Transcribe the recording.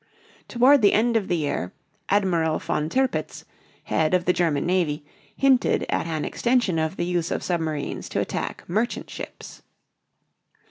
Toward the end of the year, Admiral von Tirpitz, head of the German navy, hinted at an extension of the use of submarines to attack merchant ships.